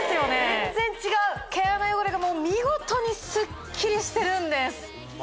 全然違う毛穴汚れが見事にすっきりしてるんですホンマ